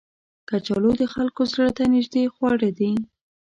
کچالو د خلکو زړه ته نیژدې خواړه دي